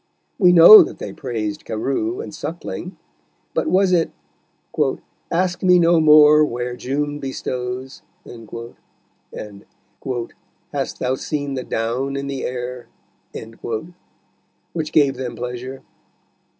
We know that they praised Carew and Suckling, but was it "Ask me no more where June bestows," and "Hast thou seen the down in the air," which gave them pleasure?